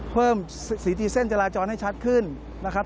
เพิ่มสีตีเส้นจราจรให้ชัดขึ้นนะครับ